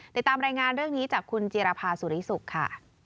ติดตามรายงานเรื่องนี้จากคุณจิรภาสุริสุขค่ะ